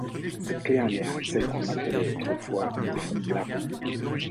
Cette clairière est celle qu’on appelait autrefois le fonds Blaru.